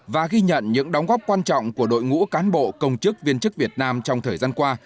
và ghi nhận những đóng góp quan trọng của đội ngũ cán bộ công chức viên chức việt nam trong thời gian qua